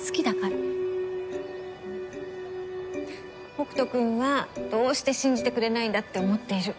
北斗君はどうして信じてくれないんだって思ってる。